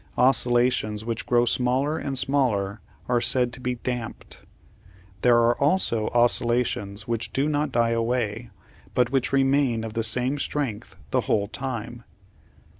Oscillations which grow smaller and smaller are said to be damped. There are also oscillations which do not die away, but which remain of the same strength the whole time.